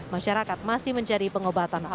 masyarakat masih mencari pengobatan